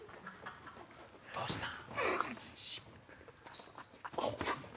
どうしたん？